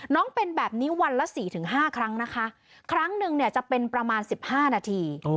น้องเป็นแบบนี้วันละ๔๕ครั้งนะคะครั้งนึงจะเป็นประมาณ๑๕นาที